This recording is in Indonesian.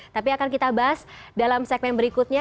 tapi akan kita bahas dalam segmen berikutnya